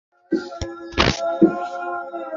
সবুর কর, হিরো।